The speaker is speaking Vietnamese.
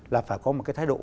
là phải có một cái thái độ